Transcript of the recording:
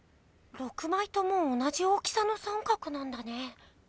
６まいとも同じ大きさの三角なんだね。